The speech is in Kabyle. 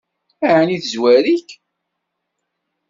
Ɛni tezwar-ik?